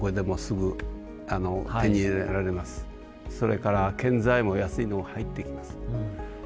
それから建材も安いのが入ってきます。